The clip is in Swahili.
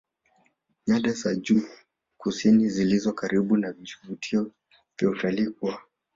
nyada za juu kusini zilizo karibu na vivutio vya utalii kwa